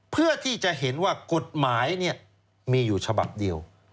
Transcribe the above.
เพื่อที่จะเห็นว่ากฎหมายมีอยู่ฉบับเดียว